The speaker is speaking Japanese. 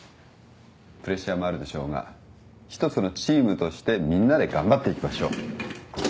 プレッシャーもあるでしょうが一つのチームとしてみんなで頑張っていきましょう。